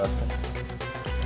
yang punya harta